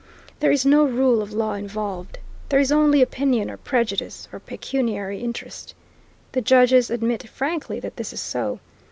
There is no rule of law involved. There is only opinion or prejudice, or pecuniary interest. The judges admit frankly that this is so.